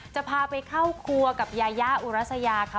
จะพาไปเข้าครัวกับยายาอุรัสยาค่ะ